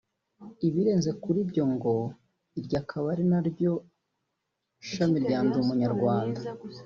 ibirenze kuri ibyo ngo iryo akaba ari naryo shami rya NdiUmunyarwanda